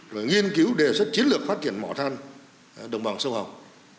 và nghiên cứu đề xuất chiến lược phát triển mỏ than đồng bằng sâu hồng